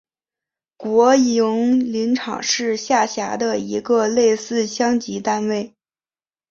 国营林场是下辖的一个类似乡级单位。